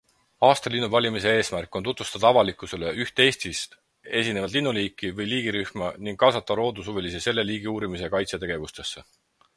Aasta linnu valimise eesmärk on tutvustada avalikkusele üht Eestis esinevat linnuliiki või liigirühma ning kaasata loodushuvilisi selle liigi uurimise ja kaitse tegevustesse.